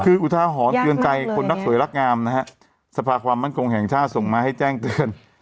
คืออุทาหรณ์เตือนใจคนรักสวยรักงามนะฮะสภาความมั่นคงแห่งชาติส่งมาให้แจ้งเตือน